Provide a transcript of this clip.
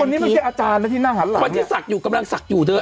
คนนี้มันคืออาจารย์แล้วที่นั่งหันหลังคนที่สักอยู่กำลังสักอยู่เถอะ